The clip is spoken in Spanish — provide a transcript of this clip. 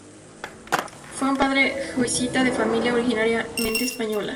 Fue un padre jesuita de familia originariamente española.